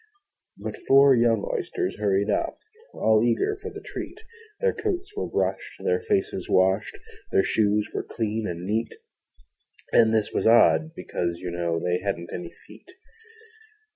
Out four young Oysters hurried up. All eager for the treat: Their coats were brushed, their faces washed, Their shoes were clean and neat And this was odd, because, you know, They hadn't any feet.